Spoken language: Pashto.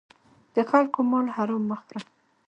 د خلکو مال حرام مه خوره.